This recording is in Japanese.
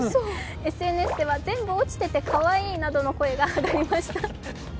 ＳＮＳでは全部落ちててかわいいなどの声が上がりました。